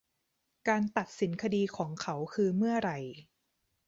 การตัดสินคดีของเขาคือเมื่อไหร่